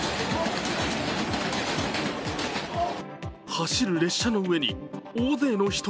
走る列車の上に大勢の人。